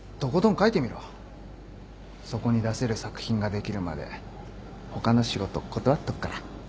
そこに出せる作品ができるまで他の仕事断っとくから。